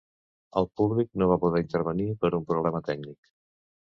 El públic no va poder intervenir per un problema tècnic.